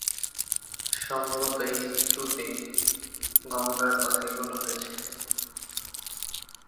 সম্ভবত এই স্তোত্রে গঙ্গার কথাই বলা হয়েছে।